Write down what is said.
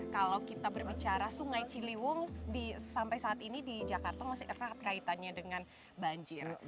kalau kita berbicara sungai ciliwung sampai saat ini di jakarta masih erat kaitannya dengan banjir